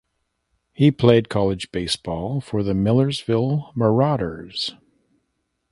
He played college baseball for the Millersville Marauders.